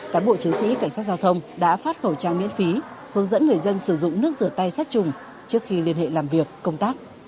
cán bộ chiến sĩ cảnh sát giao thông đã phát khẩu trang miễn phí hướng dẫn người dân sử dụng nước rửa tay sát trùng trước khi liên hệ làm việc công tác